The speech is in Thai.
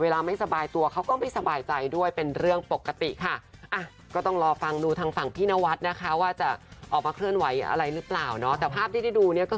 แล้วก็คือเป็นภาพตอนที่มันเป็นท้อนเท้าทานจริงคลิปนี้